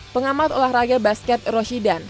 pengamat olahraga basket roshidan